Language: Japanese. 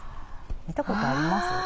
見たことあります？